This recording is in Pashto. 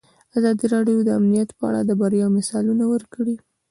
ازادي راډیو د امنیت په اړه د بریاوو مثالونه ورکړي.